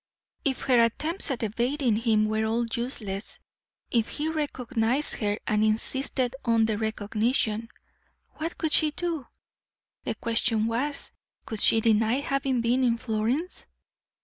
If her attempts at evading him were all useless, if he recognized her and insisted on the recognition, what could she do? The question was, could she deny having been in Florence?